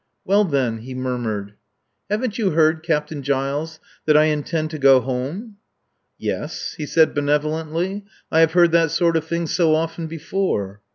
"Well then," he murmured. "Haven't you heard, Captain Giles, that I intend to go home?" "Yes," he said benevolently. "I have heard that sort of thing so often before."